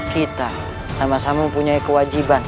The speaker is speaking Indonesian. kita sama sama mempunyai kewajiban